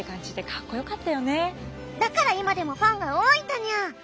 だから今でもファンが多いんだにゃ。